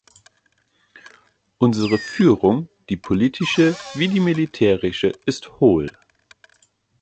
Unsere Führung, die politische wie die militärische, ist hohl.